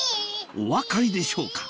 お分かりでしょうか？